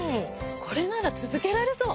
これなら続けられそう！